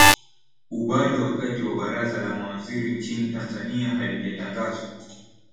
u bado wakati baraza la mawaziri nchini tanzania halijatangazwa